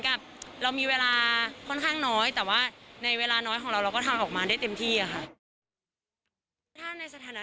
กับเรามีเวลาค่อนข้างน้อยแต่ว่าในเวลาน้อยของเราเราก็ทำออกมาได้เต็มที่ค่ะ